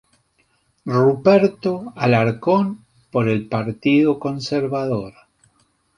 Ruperto Alarcón por el Partido Conservador.